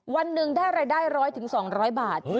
วันหนึ่งได้รายได้๑๐๐๒๐๐บาท